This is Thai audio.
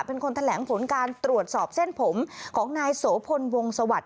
เป็นคนแถลงผลการตรวจสอบเส้นผมของนายโสพลวงสวัสดิ